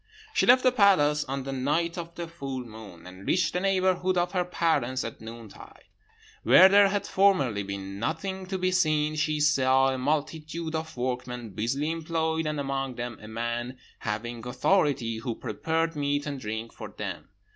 "She left the palace on the night of the full moon, and reached the neighbourhood of her parents at noontide. Where there had formerly been nothing to be seen she saw a multitude of workmen busily employed, and among them a man having authority, who prepared meat and drink for them.